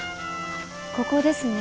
ここですね。